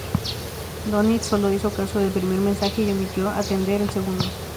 Dönitz sólo hizo caso del primer mensaje y omitió atender el segundo.